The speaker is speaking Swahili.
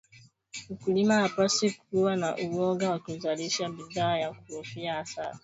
mkulima hapaswi kuwa na Uoga wa kuzalisha bidhaa kwa kukuhofia hasara